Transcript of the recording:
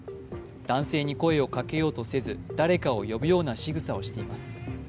男性に声をかけようとせず誰かを呼ぶようなしぐさをしています。